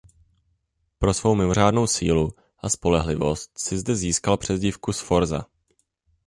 Pro svou mimořádnou sílu a spolehlivost si zde získal přezdívku "Sforza".